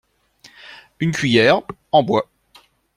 Une cuillère en bois.